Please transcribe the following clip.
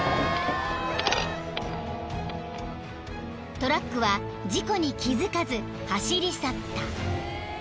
［トラックは事故に気付かず走り去った］